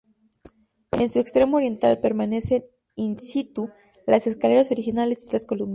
En su extremo oriental permanecen "in situ" las escaleras originales y tres columnas.